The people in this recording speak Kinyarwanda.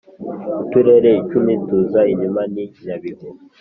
Uturere icumi tuza inyuma ni Nyabihu